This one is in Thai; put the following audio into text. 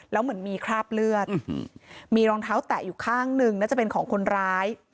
แล้วเหมือนมีคราบเลือดมีรองเท้าแตะอยู่ข้างหนึ่งน่าจะเป็นของคนร้าย